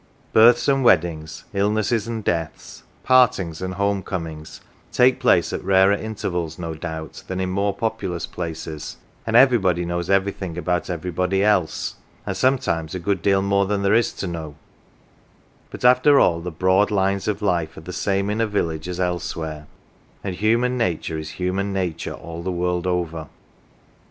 Births and weddings, ill nesses and deaths, partings and home comings, take place at rarer intervals, no doubt, than in more populous places, and everybody knows everything about everybody else (and sometimes a good deal more than there is to know); but after all the broad lines of life are the same in a village as elsewhere, and human nature is human nature all the world over.